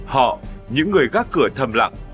họ những người gác cửa thầm lặng